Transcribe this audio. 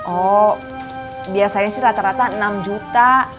oh biasanya sih rata rata enam juta